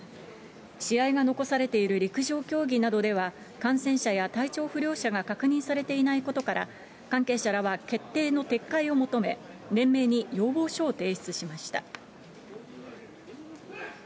試合が残されている陸上競技などでは、感染者や体調不良者が確認されていないことから、関係者らは決定の撤回を求め、連盟に要望書を提出しました。